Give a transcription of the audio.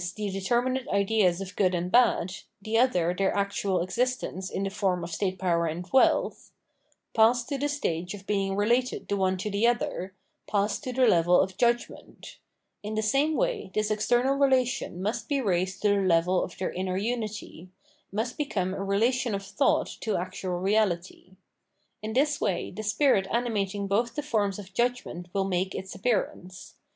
the determinate ideas of good and bad, the other their actual ex istence in the form of state power and wealth passed to the stage of being related the one to the other, passed to the level of judgment ; in the same way this external relation must be raised to the level of their inner unity, must become a relation of thought to actual reality. In this way the spirit animating both the forms of judgment will make its appearance.